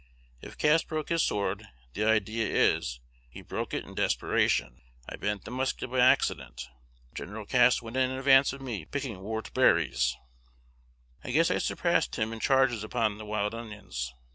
If Cass broke his sword, the idea is, he broke it in desperation: I bent the musket by accident. If Gen. Cass went in advance of me picking whortleberries, I guess I surpassed him in charges upon the wild onions.